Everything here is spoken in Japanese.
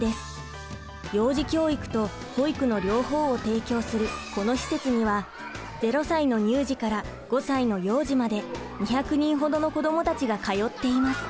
幼児教育と保育の両方を提供するこの施設には０歳の乳児から５歳の幼児まで２００人ほどの子どもたちが通っています。